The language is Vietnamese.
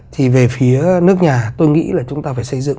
thì về phía nước nhà tôi nghĩ là chúng ta phải xây dựng